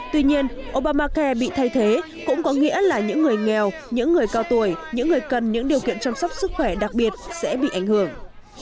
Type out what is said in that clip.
tuy nhiên obamacai bị thay thế cũng có nghĩa là những người nghèo những người cao tuổi những người cần những điều kiện chăm sóc sức khỏe đặc biệt sẽ bị ảnh hưởng